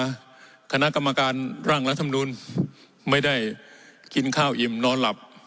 คณะกรรมการร่างรัฐมนุนไม่ได้กินข้าวอิ่มนอนหลับ